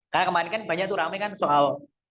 karena kemarin kan banyak tuh rame kan soal